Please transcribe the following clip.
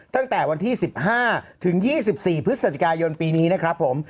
ตั้งแต่วันที่๑๕ถึง๒๔พฤศจิกายนปีนี้นะครับผม